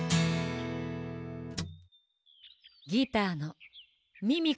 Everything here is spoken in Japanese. ギターのミミコよ！